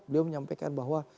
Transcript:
beliau menyampaikan bahwa